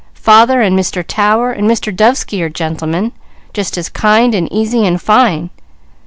Father and Mr. Tower and Mr. Dovesky are gentlemen, just as kind, and easy, and fine.